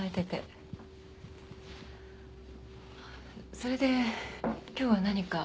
それで今日は何か？